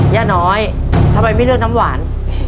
ย่าน้อยทำไมไม่เลือกน้ำหวาน